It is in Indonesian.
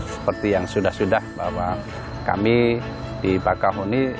seperti yang sudah sudah bahwa kami di bakahuni